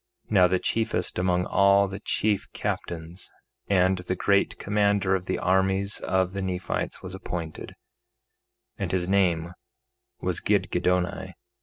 3:18 Now the chiefest among all the chief captains and the great commander of the armies of the Nephites was appointed, and his name was Gidgiddoni.